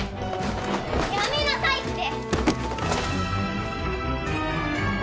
やめなさいって！